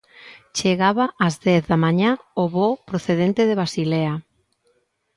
Chegaba ás dez da mañá o voo procedente de Basilea.